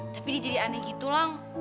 tapi dia jadi aneh gitu lah